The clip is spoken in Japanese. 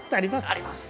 あります。